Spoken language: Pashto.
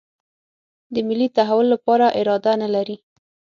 د ملي تحول لپاره اراده نه لري.